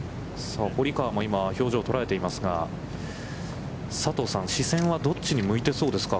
さあ、今、堀川の表情を捉えていますが、佐藤さん、視線はどっちに向いてそうですか。